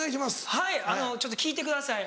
はいちょっと聞いてください。